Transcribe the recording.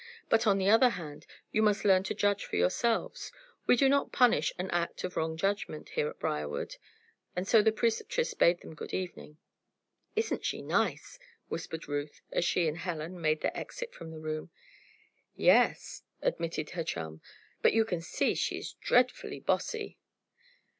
But, on the other hand, you must learn to judge for yourself. We do not punish an act of wrong judgment, here at Briarwood." And so the Preceptress bade them good evening. "Isn't she nice?" whispered Ruth, as she and Helen made their exit from the room. "Ye es," admitted her chum. "But you can see she is dreadfully 'bossy.'"